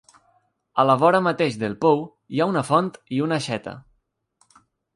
A la vora mateix del pou hi ha una font i una aixeta.